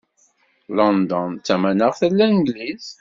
London d tamaneɣt n Langliz.